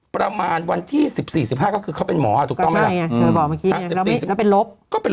ประมาณวันที่๑๔๑๕ก็คือเขาเป็นหมอถูกต้องไหมล่ะ